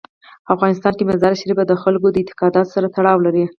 په افغانستان کې مزارشریف د خلکو د اعتقاداتو سره تړاو لري.